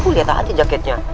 liat aja jaketnya